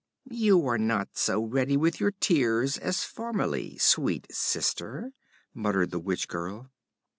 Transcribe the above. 'You are not so ready with your tears as formerly, sweet sister,' muttered the witch girl.